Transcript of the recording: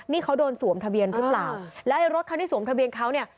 นี่เขาโดนสวมทะเบียนหรือเปล่าแล้วไอ้รถคันที่สวมทะเบียนเขาเนี่ย